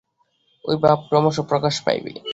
ঐ ভাব ক্রমশ প্রকাশ পাইবে।